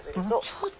ちょっと。